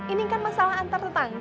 ini kan masalah antar tetangga